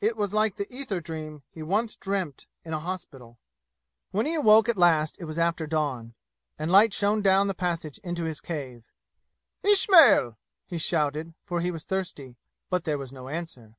It was like the ether dream he once dreamt in a hospital. When he awoke at last it was after dawn, and light shone down the passage into his cave. "Ismail!" he shouted, for he was thirsty. But there was no answer.